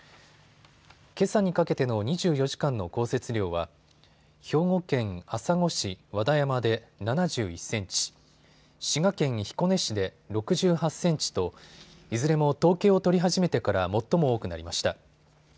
けさにかけての２４時間の降雪量は兵庫県朝来市和田山で７１センチ、滋賀県彦根市で６８センチといずれも統計を取り始めてから最も多くなりました。